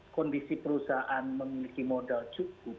kondisi perusahaan memiliki modal cukup